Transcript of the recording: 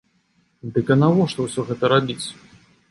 Дык а навошта ўсё гэта рабіць?!